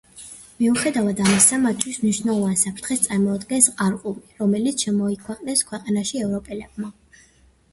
მიუხედავად ამისა მათთვის მნიშვნელოვან საფრთხეს წარმოადგენს ყარყუმი, რომელიც შემოიყვანეს ქვეყანაში ევროპელებმა.